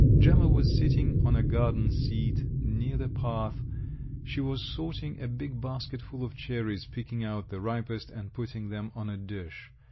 Gemma was sitting on a garden seat near the path, she was sorting a big basket full of cherries, picking out the ripest, and putting them on a dish.